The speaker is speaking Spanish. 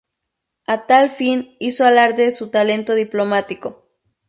A tal fin hizo alarde de su talento diplomático.